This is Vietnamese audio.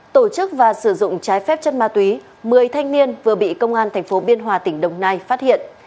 tổ chức và sử dụng trái phép chân ma túy một mươi thanh niên vừa bị công an thành phố biên hòa tỉnh đồng nai phát hiện